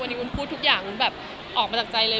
วันนี้วุ้นพูดทุกอย่างวุ้นแบบออกมาจากใจเลย